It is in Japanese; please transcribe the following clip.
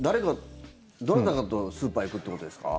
どなたかとスーパーに行くっていうことですか？